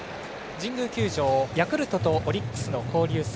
神宮球場ヤクルトとオリックスの交流戦。